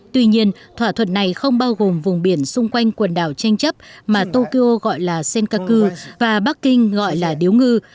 tuy nhiên thỏa thuận này không bao gồm vùng biển xung quanh quần đảo tranh chấp mà tokyo gọi là senkaku và bắc kinh gọi là điếu ngư